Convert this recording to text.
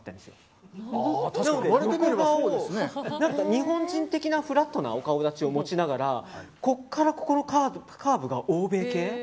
日本人的なフラットなお顔立ちを持ちながらここからここのカーブが欧米系。